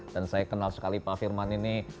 dan saya kenal sekali pak firman ini